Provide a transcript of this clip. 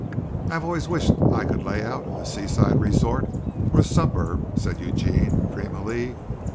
"I have always wished I could lay out a seaside resort or a suburb," said Eugene dreamily.